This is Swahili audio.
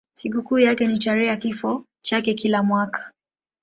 Sikukuu yake ni tarehe ya kifo chake kila mwaka.